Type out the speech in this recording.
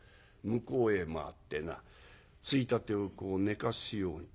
向こうへ回ってな衝立をこう寝かすように。